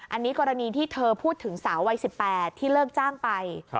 อันนี้กรณีที่เธอพูดถึงสาววัย๑๘ที่เลิกจ้างไป